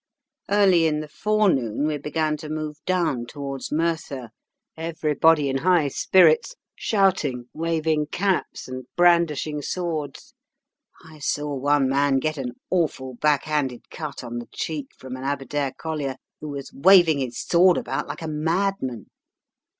Early in the forenoon we began to move down towards Merthyr, everybody in high spirits, shouting, waving caps, and brandishing swords. I saw one man get an awful backhanded cut on the cheek from an Aberdare collier, who was waving his sword about like a madman.